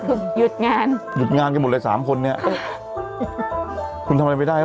คือหยุดงานหยุดงานกันหมดเลยสามคนเนี้ยคุณทำอะไรไม่ได้